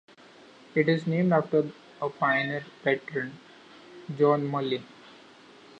It is named after a pioneer patriot, John Marlin.